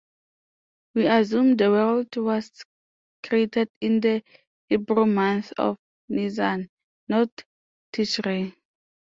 We assume the world was created in the Hebrew month of "Nissan", not "Tishrei".